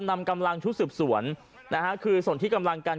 นำกำลังชุดสืบสวนนะฮะคือส่วนที่กำลังกัน